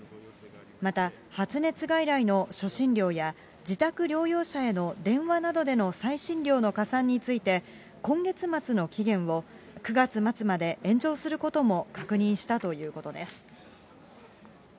また発熱外来の初診料や自宅療養者への電話などでの再診料の加算について、今月末の期限を、９月末まで延長することも確認したということです。